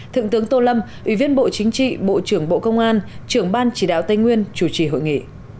thượng tướng tô lâm ủy viên bộ chính trị bộ trưởng bộ công an trưởng ban chỉ đạo tây nguyên chủ trì hội nghị